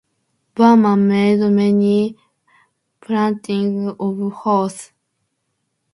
Burman made many paintings of horses.